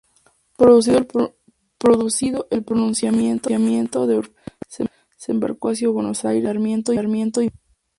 Producido el pronunciamiento de Urquiza, se embarcó hacia Buenos Aires, con Sarmiento y Mitre.